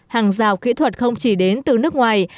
hàng rào kỹ thuật không chỉ đến từ nước ngoài